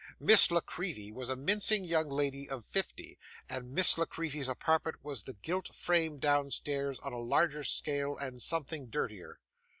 Miss La Creevy was a mincing young lady of fifty, and Miss La Creevy's apartment was the gilt frame downstairs on a larger scale and something dirtier.